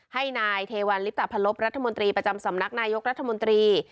ให้นายเทวันริปตาภารกิจประจำสำนักนายกรัฐมนตรี